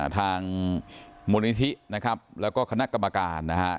ทางมูลนิธินะครับแล้วก็คณะกรรมการนะฮะ